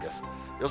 予想